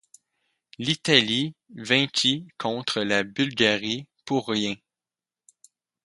L'Italie vainquit contre la Bulgarie pour rien.